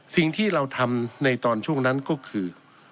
สิ่งที่เราทำในตอนช่วงนั้นก็คือ